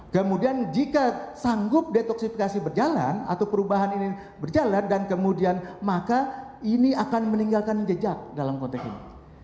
kemudian jika sanggup detoksifikasi berjalan atau perubahan ini berjalan dan kemudian maka ini akan meninggalkan jejak dalam konteks ini